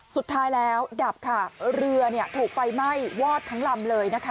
สุดท้ายแล้วดับค่ะเรือเนี่ยถูกไฟไหม้วอดทั้งลำเลยนะคะ